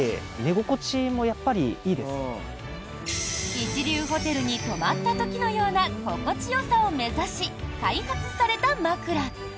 一流ホテルに泊まった時のような心地よさを目指し開発された枕。